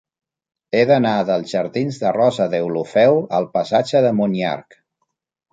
He d'anar dels jardins de Rosa Deulofeu al passatge de Monyarc.